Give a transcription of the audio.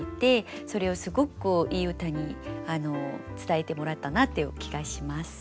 それをすごくいい歌に伝えてもらったなっていう気がします。